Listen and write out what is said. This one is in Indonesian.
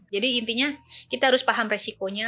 jadi intinya kita harus paham resikonya